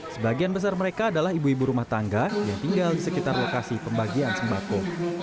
sebagian besar mereka adalah ibu ibu rumah tangga yang tinggal di sekitar lokasi pembagian sembako